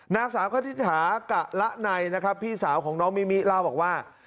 นักศาสตร์ก็ทิศหากะละไนนะครับพี่สาวของน้องมิมิเล่าบอกว่า